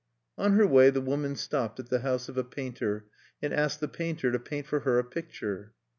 On her way the woman stopped at the house of a painter, and asked the painter to paint for her a picture.